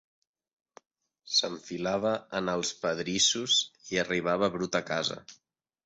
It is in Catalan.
S'enfilava a en els pedrissos, i arribava brut a casa